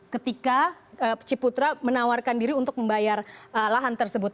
ketika ciputra menawarkan diri untuk membayar lahan tersebut